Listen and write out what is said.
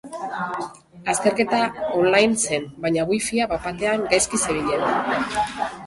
Azterketa online zen baina wifia bapatean gaizki zebilen.